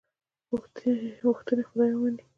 غوښتنې خدای ومني.